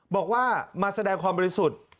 บอกว่ามาแสดงความบริสุทธิ์